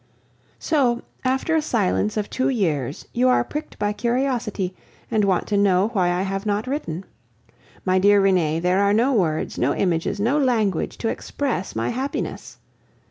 So, after a silence of two years, you are pricked by curiosity, and want to know why I have not written. My dear Renee, there are no words, no images, no language to express my happiness.